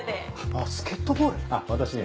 あっ私ね